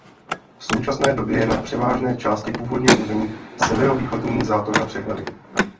V současné době je na převážné části původního území severovýchodní zátoka přehrady.